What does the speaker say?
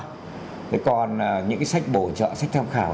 thế còn những cái sách bổ trợ sách tham khảo